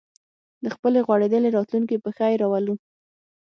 د خپلې غوړېدلې راتلونکې په ښه یې راولو